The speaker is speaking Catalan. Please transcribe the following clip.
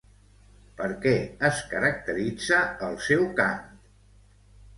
Per què es caracteritza el seu cant?